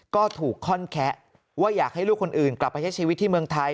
ก็ถูกค่อนแคะว่าอยากให้ลูกคนอื่นกลับไปใช้ชีวิตที่เมืองไทย